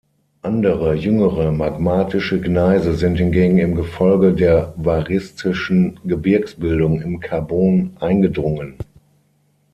Andere, jüngere magmatische Gneise sind hingegen im Gefolge der variszischen Gebirgsbildung im Karbon eingedrungen.